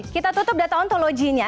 kita tutup data ontologinya